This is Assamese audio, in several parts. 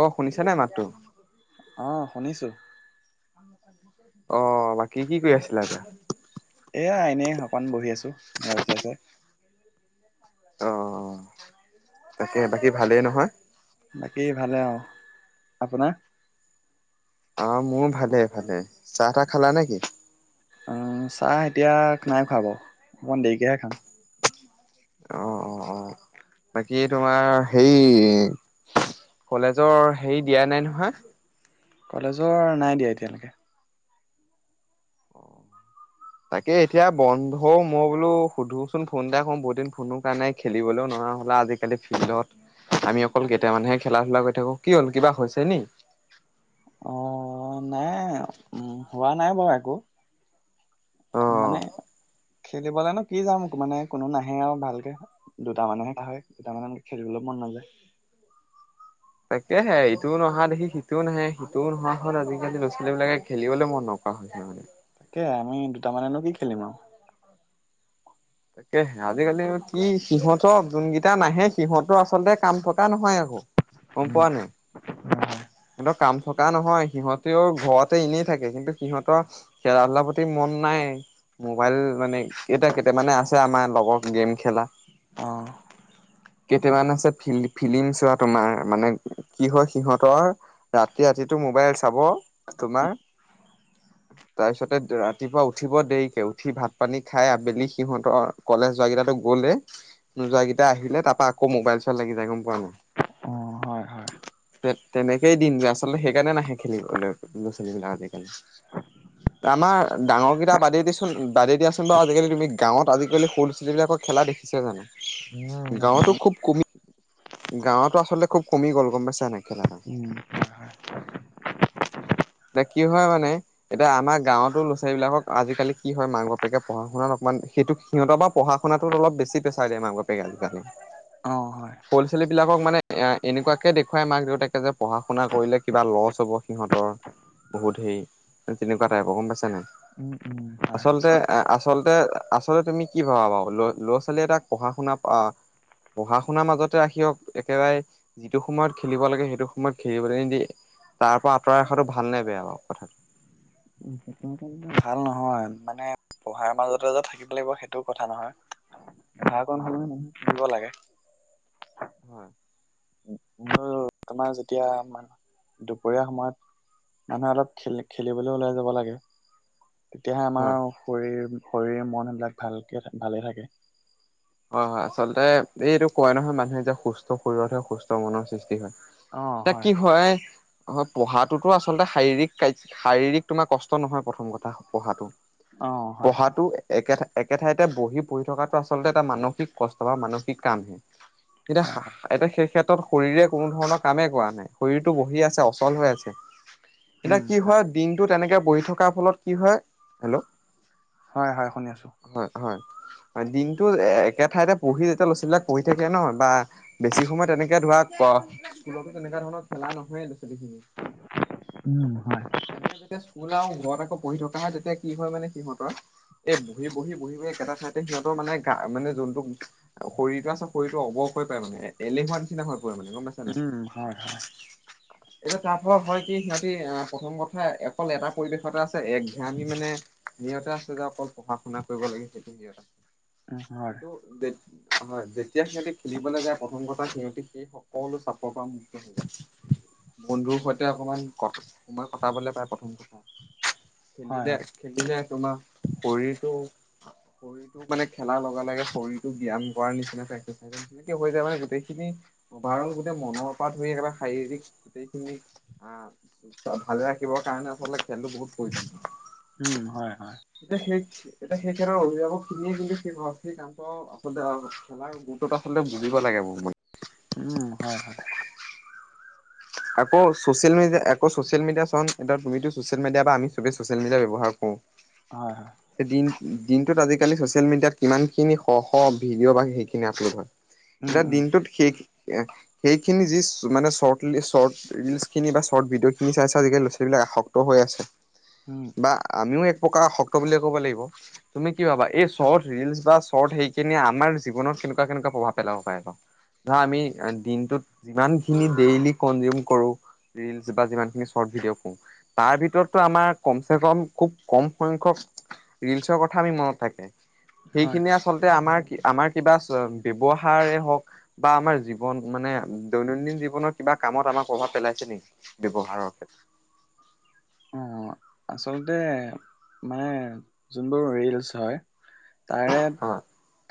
অ', শুনিছ নে মাতটো। অ', শুনিছো। অ বাকী কি কৰি আছিলে আইতা? এয়া এনে অকণ বহি আছো, মবাইল চাই চাই। অ' তাকে বাকী ভালেই নহয়? বাকী ভালে অ', আপোনাৰ? অ' মোৰ ভালে ভালে, চাহ তাহ খালা নেকি? অ' চাহ এতিয়া নাই খুৱা বৰু, অকমান দেৰিকেহে খাম। অ' অ' অ' বাকী তোমাৰ হেই কলেজৰ হেৰি দিয়া নাই নহয়? কলেজৰ নাই দিয়া এতিয়ালৈকে। অ' তাকে এতিয়া বন্ধও, মই বোলো সুধোচোন ফোন এটা কৰো বহুত দিন ফোনো কাৰ নাই খেলিবলৈ না হ'লে আজিকালি ফিল্ডত আমি অকল কেইটা মানহে খেলা ধূলা কৰি থাকো, কি হ'ল কিবা হৈছে নি? অ নাই উ হোৱা নাই বাৰু একো। অ মানে খেলিবলে নো কি যাম, মানে কোনো নাহে আৰু ভালকে দুটা মানুহে হয় দুটা মান খেলিবলৈ মন নাযায় উ [unintelligible] তাকেহে ইটোও নহা দেখি সিটোও নাহে সিটোও নোহা হ'ল, আজিকালি ল'ৰা ছোৱালী বিলাকে খেলিবলৈ মন নক হয় হয় খেলিবলে। তাকে আমি দুটামানেনো কি খেলিম আৰু। তাকে আজিকালি কি সিহঁতৰ যোন কেইটা নাহে সিহঁতো আচলতে কাম থকা নহয় আকৌ। গ'ম পোৱা নাই সিহতঁৰ কাম থকা নহয় সিহঁতেও ঘৰতে এনেই থাকে কিন্তু সিহঁতৰ খেলা ধূলাৰ প্ৰতি মন নাই। মোবাইল মানে এটা কেইটা মানে আছে আমাৰ লগৰ গেম খেলা, অ হয় কেইটামান আছে ফিল্ড ফিলি্ম চোৱা তোমাৰ মানে কি হয় সিহঁতৰ ৰাতি ৰাতিটো মোবাইল চাব তোমাৰ তাৰপিছতে ৰাতিপুৱা উঠিব দেৰিকে, উঠি ভাত পানী খাই আবেলি সিহঁতৰ কলেজ যোৱা কেইটাতো গ'লে নো যোৱ কেইটা আহিলে তাৰপা আকৌ মোবাইল চোৱাত লাগি যায়। গম [unintelligible] অ হয় হয় তেনেকেই দিন যায় আচলতে, সেইকাৰণে নাহে খেলিবলৈ ল'ৰা ছোৱালীবলাক আজিকালি। আমাৰ ডাঙৰ কেইটা বাদে দিচোন বাদে দিয়াচোন বাৰু আজিকালি তুমি গাঁৱত আজিকালি সৰু ছোৱালীবিলাকৰ খেলা দেখিছে জানো, উম গাঁৱতো খুব কমি গাঁৱতো আচলতে খুব কমি গ'ল গম পাইছা নে খেলাটো। উম হয় হয় এতিয়া কি হয় মানে, এতিয়া আমাৰ গাঁওতো ল'ৰা ছোৱালী বিলাকক আজিকালি হয় মাক বাপেকে পঢ়া শুনাত অক মান সেইটো সিহঁত বা পঢ়া শুনাতোত অলপ বেচি প্ৰেছাৰ দিয়ে মাক বাপেক আজিকালি। অ' হয়। বিলাকক মানে এ এনেকুৱাকে দেখুৱাই মাক দেউতাকে যে পঢ়া শুনা কৰিলে কিবা লছ হ'ব সিহঁতৰ। বহুত হেৰি তেনেকুৱা টাইপৰ গম পাইছনে নাই। উম উম হয় আচলতে, আচলতে, আচলতে তুমি কি ভাবা বাৰু ল ল'ৰা ছোৱালী এটাক পঢ়া শুনা পঢ়া শুনাৰ মাজতে ৰাখিব একেবাৰে যিটো সময়ত খেলিব লাগে সেইটো সময়ত খেলিবলৈ নিদিয়ে। তাৰ পৰা আঁতৰাই ৰখাটো ভাল নে বেয়া বাৰু কথাটো। তেন্তে মানে ভাল নহয় মানে। পঢ়াৰ মাজতে যে থাকিব লাগিব সেইটোও কথা নহয়, পঢ়াৰ কন হয় সময দিব লাগে। হয় মোৰ তোমাৰ যেতিয়া মান দুপৰীয়া সময়ত মানুহে অলপ খেল খেলিবলৈ ওলাই যাব লাগে। তেতিয়াহে হয় আমাৰ শৰীৰ শৰীৰ মন এইবিলাক ভালকে ভালে থাকে। হয় হয় আচলতে এই এইটো ক'য় নহয় মানুহে যে সুস্থ শৰীৰতহে সুস্থ মনৰ সৃষ্টি হয়। তিয়া কি হয়। হয় পঢ়াটোতো আচলতে শাৰীৰিক শাৰীৰিক তোমাৰ কষ্ট নহয় প্ৰথম কথা পঢ়াটো। অ' হয় পঢ়াতো একে একে ঠাইতে বহি পঢ়ি থকাতটো আচলতে এটা মানসিক কষ্ট বা মানসিক কামহে হয় এতিয়া হয় এটা শেষ ক্ষেত্ৰত শৰীৰে কোনো ধৰণৰ কামেই কৰা নাই শৰীৰতটো বহি আছে অচল হৈ আছে। এতিয়া কি হয় দিনটো তেনেকে বহি থকাৰ ফলত কি হয় হেল্ল'। হয়, হয় শুনি আছো। আ দিন। টো এ একে ঠাইতে পঢ়ি যেতিয়া ল'ৰা ছোৱালবলাক পঢ়ি থাকে ন বা বেছি সময় তেনেকে ধৰা তেনেুৱা ধৰণৰ খেলা নহয় ল' ছোৱালীখিনি। উম হয় তেনেকে যেতিয়া স্কুল আও ঘৰত আকৌ পঢ়ি থকা হয় তেতিয়া কি হয় মানে সিহতৰ এই বহি, বহি, বহি, বহি একেটা ঠাইতে সিহতৰ মানে মানে যোনতটো শৰীৰটো আছে শৰীৰটো অৱস হৈ পায় মানে এলেহুৱা নিচিনা হয় উম, হয়, হয়। এতিয়া তাৰ পৰা হয় কি সিহঁতি প্ৰথম কথা অকল এটা পৰিৱেশতে আছে একঘামি মানে সহঁতে আছে যে অকল পঢ়া শুনা কৰিব লাগে সেইটো হেৰি উম আছে হয় কিন্তু হয় যেতিয়া সিহঁতি খেলিবলৈ যায় প্ৰথম কথা সিহঁতি সেই সকলো চাপৰ পৰা মুক্ত হৈ যায় বন্ধুৰ সৈতে অকমান ক সময় কটাবলে পায় প্ৰথম কথা। হয় খেলিলে হয় খেলিলে তোমাৰ শৰীৰটো শৰীৰটো মানে খেলাৰ লগে লগে শৰীৰটো ব্যায়াম কৰাৰ নিচিন এক্সাইজ নিচিনাকে হৈ যায় মানে গোটেইখিনিৰ গো মনৰ পৰা ধৰি একেবাৰে শাৰীৰিক গোটেই খিনি ভাল ভালে ৰাখিবৰ কাৰণে আচলতে তেন্ত বহুত প্ৰয়োজন। উম, হয়, হয়। এতিয়া সেই এতিয়া সেইকাৰণে অভিভাৱক খিনিয়ে কিন্তু অতি হছলি কাম কৰাও আচলতে খেলাৰ গুৰুত্বত আচলতে বুজিব লাগে মোৰ মানে। উম, হয় হয়। আকৌ ছচিয়েল মিডিয়া আকৌ ছ'চিয়েল আকৌ ছচিয়েল মিডিয়া চন এতি তুমিতো ছ'চিয়েল মিডিয়া বা আমি চবেই ছ'চিয়েল মিডিয়া ব্যৱহাৰ কৰো। হয় হয় এদিন। দিনটোত আজিকালি চচিয়েল মিডিয়াত কিমান খিনি শ শ ভিডিঅ' বা সেইখিনি আপলোড হয়। উম এতিয়া উম দিনটোত সেই সেইখিনি যি মানে চ চৰ্ট ৰিলচ খিনি বা চৰ্ট ভিডিঅ' খিনি চাই চ আজালি ল'ৰা ছোৱালী বিলাক আসক্ত হৈ আছে। উম বা আমিও এক প্ৰকাৰ আশক্ত বুলিয়ে ক'ব লাগিব তুমি কি ভাবা এই চৰ্ট ৰিলচ বা চৰ্ট সেইখিনি আমাৰ জীৱনত কেনেকুৱা কেনেকুৱা প্ৰভাৱ পেলাব পাৰে বাৰু ধৰা আমি দিনটোত যিমান খিনি ডেইলি কঞ্জিউম কৰোঁ, ৰিলছ বা যিমান খিনি চৰ্ত ভিডিঅ কৰো তাৰ ভিতৰত টো আমৰ কম সে কম খুব কম সংখ্যক ৰিলচৰ কথা আমি মনত থাকে হয় সেইখিনিয়ি আচলতে আমাৰ আমাৰ কিবা ব্যৱহাৰে হওক বা আমাৰ জীৱন মানে দৈনন্দিন জীৱনত কিবা কামত আমাক প্ৰভাৱ পেলাইছে নেকি? ব্যৱহাৰৰ ক্ষেত্ৰত। অঁ আচলতে মানে যোনবোৰ ৰিলচ হয়- তাৰে হয়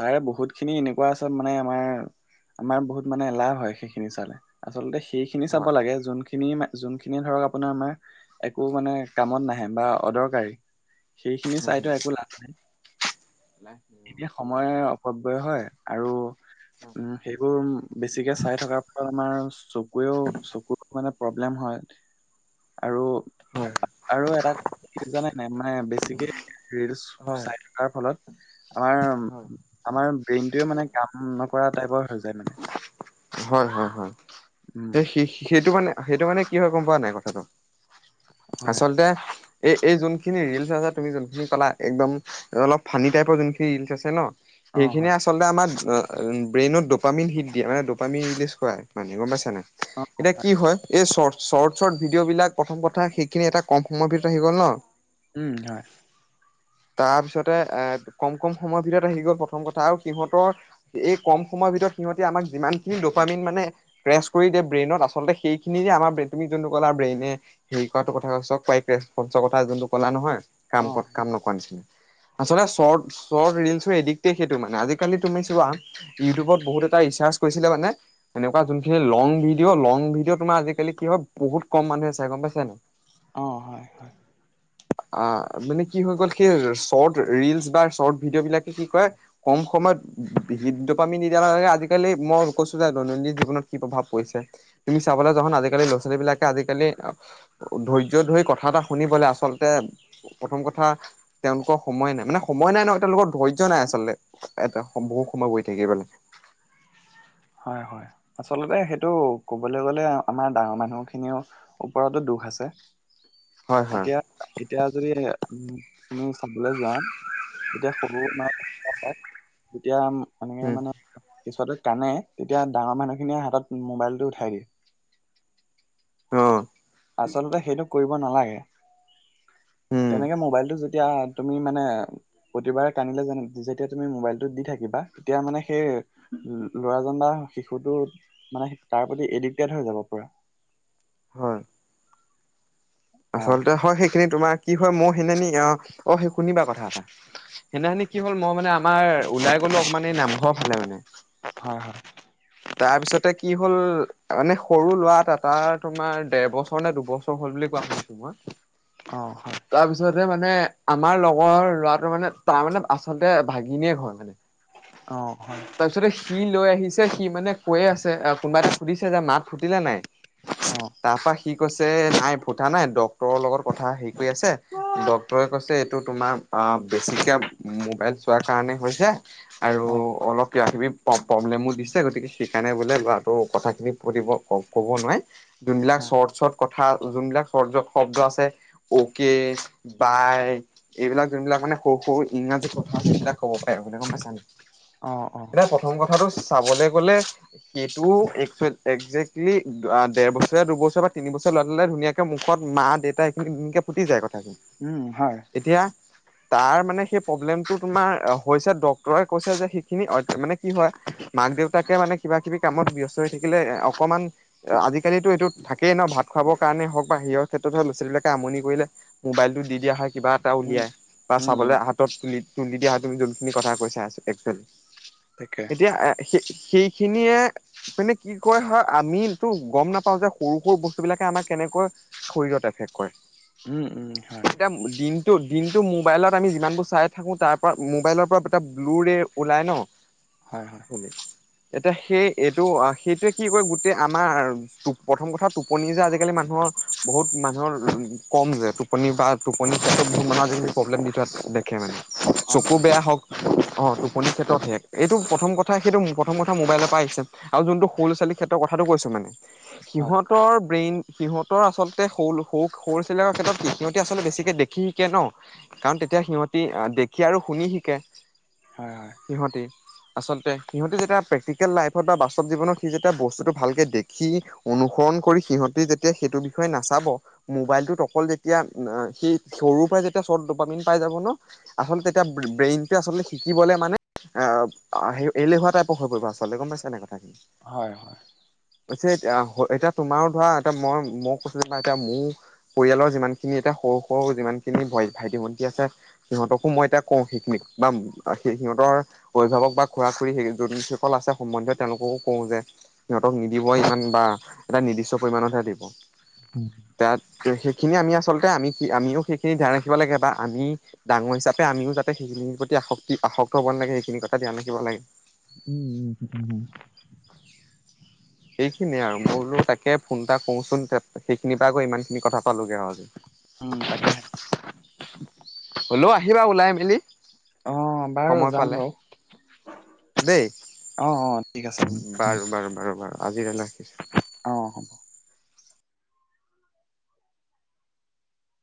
তাৰে বহুত বহুত খিনি এনেকুৱা আত মানে আমাৰ আমাৰ বহুত মানে লাভ হয় সেইখিনি চালে আচলতে- সেইখিনি চাব হয় হয় লাগে যোনখিনি যোনখিনি ধৰক আপোনাৰ আমাৰ একো মানে কামত নাহে বা অদৰকাৰী সেইখিনি চাইতো একো লাভ নাই। এতিয়া সময়ৰ অপব্যয় হয় আৰু উম, সেইবোৰ বেছিকে চাই থকাৰ ফল আমাৰ চকুৰেও চকুৰ মানে প্ৰব্লেম হয় আৰু আৰু এটা কথা কি জানেনে নাই মানে বেছিকে ৰিলচ হয় চাই থকাৰ ফলত আমাৰ আমাৰ ব্ৰেইনটোয়ে মানে কাম নকৰা টাইপৰ হৈ যায় মানে। হয়, হয়, হয়, উম সেইটো মানে সেইটো মানে কি হয় গম পোৱা নাই কথাটো হয় আচলতে এই এই যোনখিনি ৰিলচ আছে তুমি যোনখিনি পালা একদম অলপ ফানী টাইপৰ যোনখিনি ৰিলচ আছে ন অ হয় সেইখিনিয়ে আচলতে আমাৰ ব্ৰেইনত ডপামিন হিট দিয়ে মানে ৰি মানে গম পাইছা নাই এতিয়া কি হয় এই চ চৰ্ট চৰ্ট ভিডিঅ' বিলাক প্ৰথম কথা সেইখিনি এটা কম সময়ৰ ভিতৰত আহি গ'ল ন উম হয়। তাৰপিছতে এ কম কম সময়ৰ ভিতৰত আহি গ'ল প্ৰথম কথা আৰু সিহঁতৰ এই কম সময়ত- ভিতৰত সিহঁতি আমাক যিমানখিনি দপা মিন মানে প্ৰেছ কৰি দিয়ে ব্ৰেইনত আচলতে সেইখিন যে আমাৰ কলা ব্ৰেইনে হেৰি কৰাটো কথা চব পাইৰেৰ কথা যোনটো কলা নহয় কাম অ কৰ কাম নকৰা নিচিনা আচলতে চৰ্ট চৰ্ট ৰিলচো এডিক্টেই সেইটো মানে, আজিকালি তুমি চোৱা ইউটিউবত বহুত এটা ৰিচাৰ্চ কৰিছিলে মানে এনেকুৱা যোনখিনি লং ভিডিঅ', লং ভিডিঅ' তোমাৰ আজিকালি কি হয় বহুত ক'ম মানুহ আছে গ'ম পাইছা নে নাই? অ হয় হয় অ', মানে কি হৈ গ'ল সেই চৰ্ট ৰিলচ বা চৰ্ট ভিডিঅ' বিলাকে কি কৰে ক'ম সময়ত হৃদপামি নিদিয়া আজিকালি মই কৈছো যে দৈনন্দিন জীৱনত কি প্ৰভাৱ পৰিছে, তুমি চাবলৈ যোৱা আজিকালি ল'ৰা ছোৱালী বিলাক আজিকালি ধৈৰ্য্য ধৰি কথা এটা শুনিবলে আচলতে প্ৰথম কথা তেওঁলোকৰ সময় নাই মানে সময় নাই নহ তেওঁলোকৰ ধৈৰ্য্য নাই আচলতে এটা বহু সময় বহি থাকিবলে। [inaudible] হয়ঁ হয়ঁ আচলতে সেইটো ক'বলৈ গ'লে আমাৰ ডাঙৰ মানুহ খিনিৰও ওপৰতো দুখ আছে। হয় হয় এতিয়া এতিয়া যদি উম তুমি চাবলৈ যোৱা এতিয়া সৰু [unintelligible] তেতিয়া এনেকে উম মানে কেঁচুৱাতে কানে। তেতিয়া ডাঙৰ মানুহখিনিয়ে হাতত মোবাইলটো উঠাই দিয়ে। অ আচলতে সেইটো কৰিব নালাগে উম তেনেকে মোবাইলটো তেতিয়া তুমি মানে প্ৰতিবাৰে কান্দিলে যে যেতিয়া তুমি মোবাইলটো দি থাকিবা তেতিয়া মানে সেই উ ল'ৰা বা শিশুটো মানে তাৰ প্ৰতি এদিক্টেদ হৈ যাব পোৰা। হয় অ আচলতে হয়ঁ সেইখিনি তোমাৰ- কি হয় মই সেইদিনা অ অ সেই শুনিবা কথা এটা সেইনাখিনি কি হ'ল মই মানে আমাৰ ওলাই গলো অকমান এই নামঘৰ ফালে মানে হয় হয় তাৰ পিছতে কি হ'ল মানে সৰু ল'ৰা এটা তাৰ তোমাৰ দেৰ বছৰ নে দুবছৰ হ'ল বুলি কোৱা অ হয় তাৰপিছতে মানে আমাৰ লগৰ ল'ৰাটোৰ মানে, তাৰ মানে আচলতে ভাগিনীয়েক হয় মানে। অ হয় তাৰপিছতে সি লৈ আহিছ সি মানে কৈয়ে আছে কোনোবাটো সুধিছে যে মাত ফুটিলে নাই? অ'। কি কৈছে নাই ফুঠা নাই। ডক্টৰৰ লগত কথা হেৰি কৰি আছে ডক্টৰে কৈছে এইটো তোমাৰ বেছিকৈ মোবাইল চোৱাৰ কাৰণে হৈছে আৰু অ অলপ কিবা কিবি প্ৰব্লেমো দিছে গতিকে সেইকাৰণে বোলে ল'ৰাটো কথাখিনি প ক'ব নোৱাৰি যোনবিলাক চৰ্ট চৰ্ট কথা যোনবিলাক শব্দ আছে অক বাই এইবিলাক যোনবিলাক মানে সৰু সৰু ইংৰা ক আছে সেইবিলাক কব পাৰে গম পাইছা নেকি অ অ অ এতিয়া প্ৰথম কথাটো চাব গলে সেইটোৱে একজেকটলি দেৰ বছৰ দুবছৰ বা তিন বছৰে লৰাটোলে ধুনীয়াকে মুখত মা দেউতাখিন ধুনীয়াকে ফুটি যায় কথা। উম হয় তাৰ মানে সেই প্ৰ'ব্লেমটো তোমাৰ হৈছে ডক্তৰে কৈছে যে সেইখিনি মানে কি হয় মাক দেউতাকে মানে কিবা কিবি কামত ব্যস্ত হৈ থাকিলে অকণমান, আজিকালিতো এইটো থাকেই ন, ভাত খুৱাব কাৰণে হওক বা হিৰৰ ক্ষেত্ৰত হও ল'ৰাোৱালীবিলাকে আমনি কৰিলে মোবাইলটো দি দিয়া হয় কিবা এটা উম উলিয়াই বা উম উম চাবলৈ হাতত তুলি, তুলি দিয়া হাত যোনখিনি কথা কৈছা একচুৱেলী তাকে এতিয়া সেই সেইখিনিয়ে মাননে কি কয় হয় আমো গম নাপাওঁ যে সৰু সৰু বস্তু বিলাকে আমাক কেনেকৈ খুৰিও তাকে কয়। উম, উম হয়। দিনতটো মোবাইলত আমি যিমানবোৰ চাই থাকো তাৰ পৰা মোবাইলৰ পৰা দুটা ব্লু ৰে ওলাই ন হয় হয় শনে [unintelligible] এতিয়া সেই এইটো সেইটোৱে কি কয় গোটেই আমাৰ প্ৰথম কথা টোপনি যে আজিকালি মানুহৰ বহুত মানুহ উ কম যে টোপনি বা টোপনি ক্ষেত্ৰত বহুত মানহ প্ৰব্লেম দি থোৱা দেখে মানে অ চকু বেয়া হওক অ', টোপনিৰ ক্ষেত্ৰত হে এইটো প্ৰথম কথা সেইটো প্ৰথম কথা মোবাইলৰ পৰা আহিছে আৰু যোনটো সৰু ছোৱালী ক্ষেত্ৰৰ কথা ক কৈছো মানে হয় সিহঁতৰ ব্ৰেইন সিহত আচলতে স সৰু সৰু চেৰ ক্ষেত্ৰত সিহতি আচলতে বেছিকে দেখি শিকে ন কাৰণ তেতিয়া সিহঁতে দেখি আৰু শুনি শিকে হয় হয় সিহঁতি আচলতে সিহঁতে যেতিয়া প্ৰেক্টিকেল লাইফত বা বাস্তৱ জীৱনত সি যেতিয়া বস্তুটো ভালকে দেখি অনুসৰণ কৰি সিহঁতে যেতিয়া সেইটো বিষয়ে নাচাব মোবাইলটোত অকল যেতিয়া সেই সৰুৰ পৰাই যেতিয়া ৰ্চট ডপিন পাই যাব। আচলতে তেতিয়া ব্ৰেইনটো আচলতে শিকিবলে মানে অ', হেৰি এলেহুৱা টাইপৰ হৈ পৰিব আচলতে গম পাইছে নাই। হয়, হয়। ছে এতিয়া এতিয়া তোমাৰো ধৰা এতিয়া মই মই কৈছো ত এতিয়া মোৰ পৰিয়ালৰ যিমান খিনি এতিয়া সৰু সৰু যিমান খিনি ভাইটি ভণ্টি আছে সিহঁতকো মই এতিয়া কওঁ সেইখিনিক বা সেই সিহঁতৰ অভিভাৱক বা খুৰা খুৰী যোনসকল আছে সম্বন্ধ তেওঁলোককো কওঁ যে সিহঁতক নিদিব ইমান বা এটা নিৰ্দিষ্ট পৰিমমানতহে দিব। উম তাত সেইখিনি আমি আছো। আচলতে আমি কি আমিও সেইখিনি জানি থব লাগে বা আমি ডাঙৰ হিচাবে আমিও ধন-সম্পত্তি প্ৰতি আসক্তি [unintelligible] হ'ব নালাগে সেইখিনি কথা ধ্যান ৰাখিব লাগে। উম, উম। সেইখিনিয়ে আৰু মই ক'লো তাকে ফোন এটা কৰোচোন সেইখিনিৰ পৰা গৈ ইমান খিনি কথা পালোগৈ আৰু উম তাকে। হ'লও আহিবা ওলাই মেলি অ', বাৰু সময় যাম পালে বাৰু দেই অ অ ঠিক আছে উম বাৰু, বাৰু, বাৰু, বাৰু আজিৰ ন অ', হ'ব।